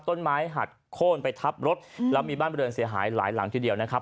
ต้นไม้หักโค้นไปทับรถแล้วมีบ้านบริเวณเสียหายหลายหลังทีเดียวนะครับ